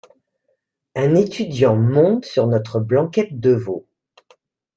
Un étudiant monte sur notre blanquette de veau.